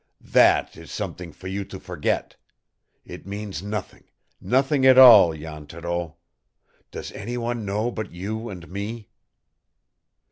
"That is something for you to forget. It means nothing nothing at all, Jan Thoreau! Does any one know but you and me?"